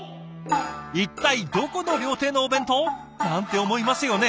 一体どこの料亭のお弁当？なんて思いますよね。